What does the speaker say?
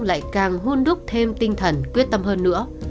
lại càng hôn đúc thêm tinh thần quyết tâm hơn nữa